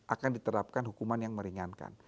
akan diterapkan hukuman yang meringankan